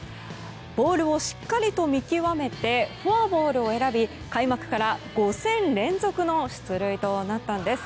ボールをしっかりと見極めてフォアボールを選び開幕から５戦連続の出塁となったんです。